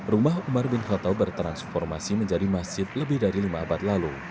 rumah umar bin khattau bertransformasi menjadi masjid lebih dari lima abad lalu